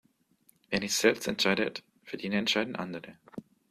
Wer nicht selbst entscheidet, für den entscheiden andere.